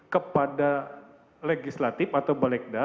kepada legislatif atau balegda